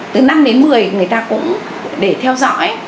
từ năm đến một mươi người ta cũng để theo dõi